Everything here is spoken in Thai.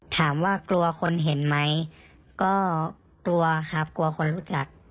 ถามว่ากลัวคนเห็นไหมก็กลัวครับกลัวคนรู้จัก